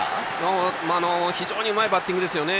非常にうまいバッティングですよね。